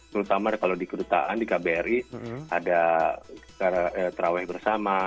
terutama kalau di kerutaan di kbri ada traweh bersama